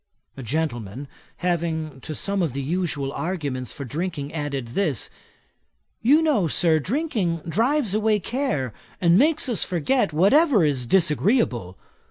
A gentleman having to some of the usual arguments for drinking added this: 'You know, Sir, drinking drives away care, and makes us forget whatever is disagreeable.